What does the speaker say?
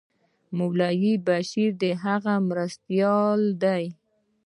مولوي بشیر د هغه مرستیال دی.